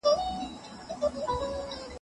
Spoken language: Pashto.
ميرمن به د خاوند کور ته زيان نه رسوي.